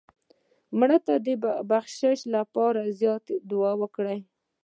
مړه ته د بخشش لپاره زیات دعا وکړه